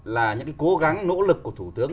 là những cái cố gắng nỗ lực của thủ tướng